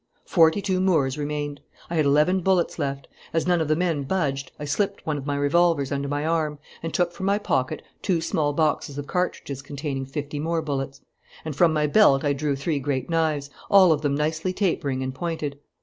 "Forty two Moors remained. I had eleven bullets left. As none of the men budged, I slipped one of my revolvers under my arm and took from my pocket two small boxes of cartridges containing fifty more bullets. And from my belt I drew three great knives, all of them nicely tapering and pointed.